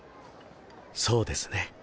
そうですね。